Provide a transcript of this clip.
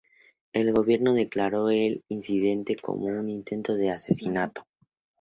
El gobierno declaró el incidente como un intento de asesinato.